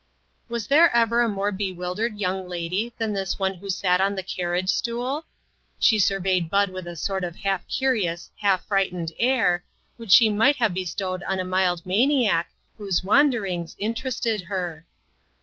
Was there ever a more bewildered young lady than this one who sat on the carriage stool? She surveyed Bud with the sort of half curious, half frightened air, which she might have bestowed on a mild maniac whose BUD IN SEARCH OF COMFORT. 283 wanderings interested her.